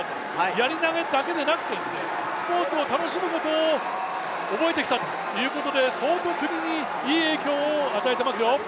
やり投だけでなくて、スポーツを楽しむことを覚えてきたということで、相当国にいい影響を与えてますよ。